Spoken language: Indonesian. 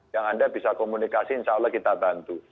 yang anda bisa komunikasi insya allah kita bantu